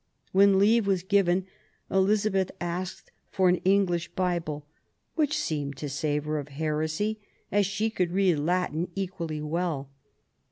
When leave was given, Elizabeth asked for an English Bible, which seemed to savour heresy, as she could read Latin equally well.